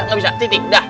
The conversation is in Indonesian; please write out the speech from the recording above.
nggak bisa titik dah